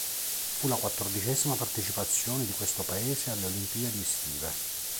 Fu la quattordicesima partecipazione di questo paese alle Olimpiadi estive.